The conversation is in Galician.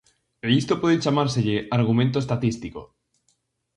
A isto pode chamárselle argumento estatístico.